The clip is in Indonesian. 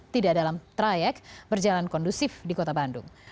tidak dalam trayek berjalan kondusif di kota bandung